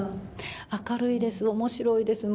明るいです、おもしろいです。